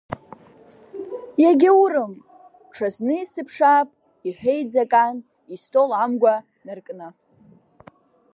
Иагьаурым, ҽазны исыԥшаап, — иҳәеит Закан истол амгәа наркны.